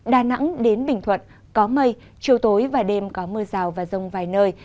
đà nẵng đến bình thuận có mây chiều tối và đêm có mưa rào và rông vài nơi